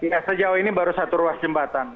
ya sejauh ini baru satu ruas jembatan